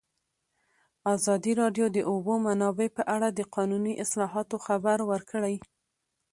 ازادي راډیو د د اوبو منابع په اړه د قانوني اصلاحاتو خبر ورکړی.